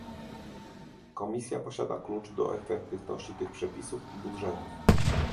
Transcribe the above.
Komisja posiada klucz do efektywności tych przepisów i budżetów